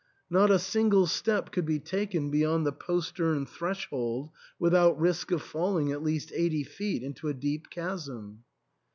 Not a single step could be taken beyond the postern threshold without risk of falling at least eighty feet into a deep chasm.